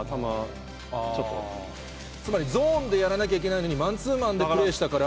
つまりゾーンでやらなければいけないのに、マンツーマンでプレーしたから。